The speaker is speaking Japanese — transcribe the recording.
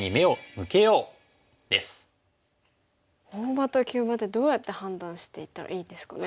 大場と急場ってどうやって判断していったらいいですかね。